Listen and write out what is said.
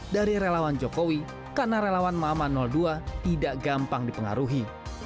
dari relawan jokowi karena relawan mama dua tidak gampang dipengaruhi